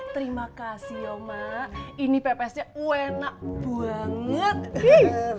terima kasih ya mak ini pepesnya enak banget ya mak